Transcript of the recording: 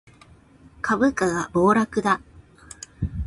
株価が暴落だ